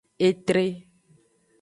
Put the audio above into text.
Etre.